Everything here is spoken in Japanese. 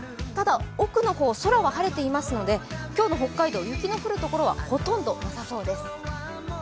ただ、奥の方、空は晴れていますので、今日の北海道雪の降るところはほとんどなさそうです。